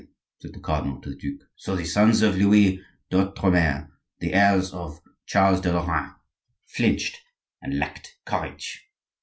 said the cardinal to the duke, "so the sons of Louis d'Outre mer, the heirs of Charles de Lorraine flinched and lacked courage."